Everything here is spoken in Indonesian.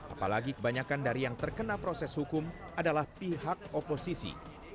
apalagi kebanyakan dari yang terkena proses hukum adalah pihak oposisi